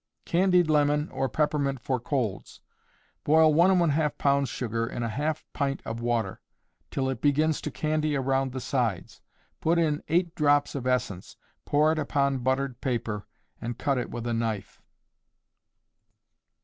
Candied Lemon or Peppermint for Colds. Boil 1½ pounds sugar in a half pint of water, till it begins to candy around the sides; put in 8 drops of essence; pour it upon buttered paper, and cut it with a knife.